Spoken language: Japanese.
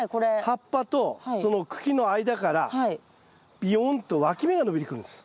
葉っぱとその茎の間からびよんとわき芽が伸びてくるんです。